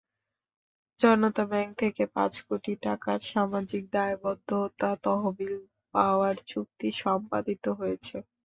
জনতা bank থেকে পাঁচ কোটি টাকার সামাজিক দায়বদ্ধতা তহবিল পাওয়ার চুক্তি সম্পাদিত হয়েছে।